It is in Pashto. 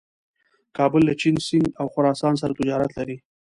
کابل له چین، سیند او خراسان سره تجارت لري.